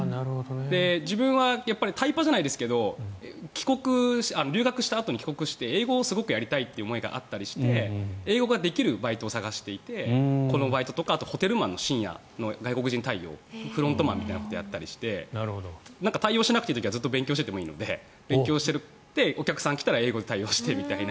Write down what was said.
自分はタイパじゃないですけど留学したあとに帰国して英語をすごくやりたいという思いがあったりして英語ができるバイトを探していてこのバイトとかあとホテルマンの深夜の外国人対応フロントマンみたいなことをやったりして対応しなくていい時はずっと勉強しててもいいので勉強してお客さんが来たら英語で対応してみたいな。